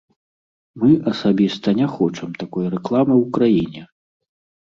Мы асабіста не хочам такой рэкламы ў краіне.